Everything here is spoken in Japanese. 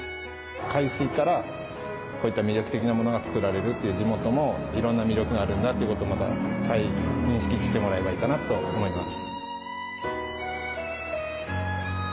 海水からこういった魅力的なものが作られるという地元も色んな魅力があるんだっていう事をまた再認識してもらえばいいかなと思います。